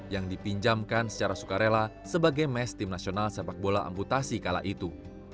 yang dipinjamkan secara sukarela sebagai mes tim nasional sepak bola amputasi kala itu